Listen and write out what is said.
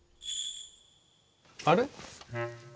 あれ？